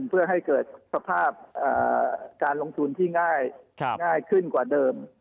เพื่อให้เกิดสภาพการลงทุนที่ง่ายขึ้นกว่าเดิม